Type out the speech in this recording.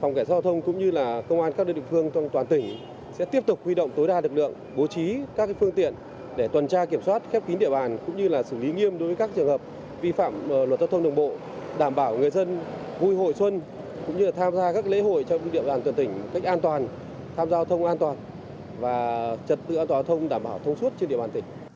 phòng kẻ giao thông cũng như là công an các địa phương toàn tỉnh sẽ tiếp tục huy động tối đa lực lượng bố trí các phương tiện để tuần tra kiểm soát khép kín địa bàn cũng như là xử lý nghiêm đối với các trường hợp vi phạm luật giao thông đường bộ đảm bảo người dân vui hồi xuân cũng như là tham gia các lễ hội trong địa bàn toàn tỉnh cách an toàn tham gia giao thông an toàn và trật tựa giao thông đảm bảo thông suốt trên địa bàn tỉnh